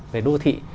về đô thị